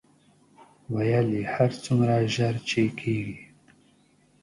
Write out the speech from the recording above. ویل یې هر څومره ژر چې کېږي.